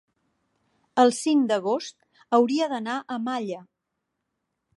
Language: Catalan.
el cinc d'agost hauria d'anar a Malla.